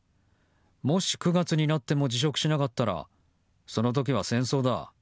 もし９月になっても辞職しなかったらその時は戦争だ。